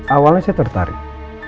awalnya saya tertarik